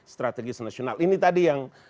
strategis nasional ini tadi yang